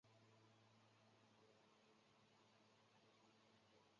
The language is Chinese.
弘农华阴人。